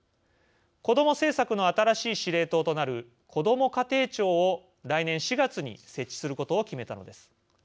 子ども政策の新しい司令塔となるこども家庭庁を来年４月に設置することを決めたのです。